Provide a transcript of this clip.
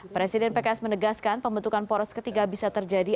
presiden pks menegaskan pembentukan poros ketiga bisa terjadi